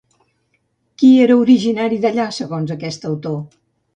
Qui era originari d'allà, segons aquest autor?